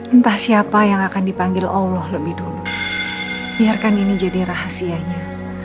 entah siapa yang akan dipanggil allah lebih dulu biarkan ini jadi rahasianya